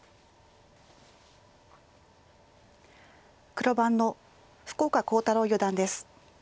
黒番の福岡航太朗四段です。